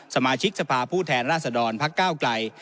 สมาชิกสภาผู้แทนราชดรพก้าวไกร